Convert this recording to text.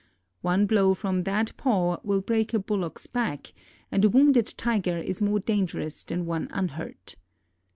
One blow from that paw will break a bullock's back, and a wounded Tiger is more dangerous than one unhurt.